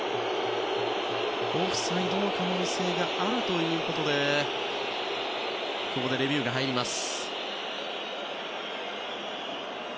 オフサイドの可能性があるということでここでレビューが入ります。